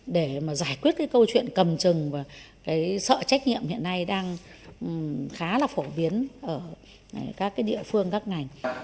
để mà giải quyết cái câu chuyện cầm chừng và cái sợ trách nhiệm hiện nay đang khá là phổ biến ở các địa phương các ngành